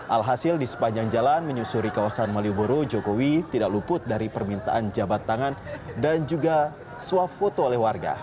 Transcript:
alhasil di sepanjang jalan menyusuri kawasan malioboro jokowi tidak luput dari permintaan jabat tangan dan juga suap foto oleh warga